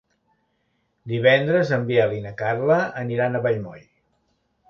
Divendres en Biel i na Carla aniran a Vallmoll.